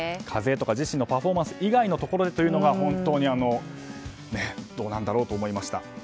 風とか自身のパフォーマンス以外のところでというのがどうなんだろうと思いました。